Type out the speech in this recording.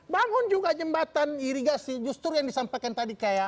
bangun juga jembatan irigasi justru yang disampaikan tadi kayak